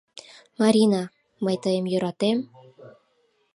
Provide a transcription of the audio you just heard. Марина, мый тыйым йӧратем...